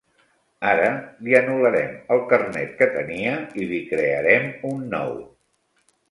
Ara li anul·larem el carnet que tenia i li crearem un nou.